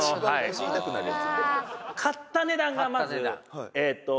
「買った値段がまずえっと」